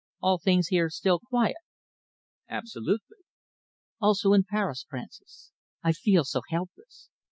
Are things here still quiet?" "Absolutely." "Also in Paris. Francis, I feel so helpless.